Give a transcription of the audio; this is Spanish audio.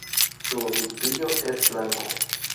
Su obispillo es blanco.